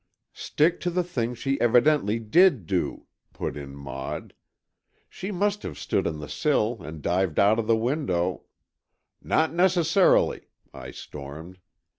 "Stick to the things she evidently did do," put in Maud. "She must have stood on the sill and dived out of the window——" "Not necessarily," I stormed.